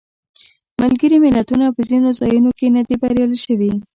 ملګري ملتونه په ځینو ځایونو کې نه دي بریالي شوي.